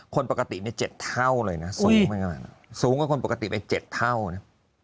คนปกติเนี่ย๗เท่าเลยนะสูงกว่าคนปกติไป๗เท่านะ